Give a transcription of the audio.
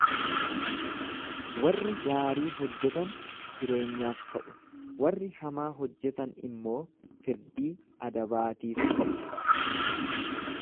Warri gaarii hojjetan jireenyaaf ka’u, warri hamaa hojjetan immoo firdii adabaatiif ka’u.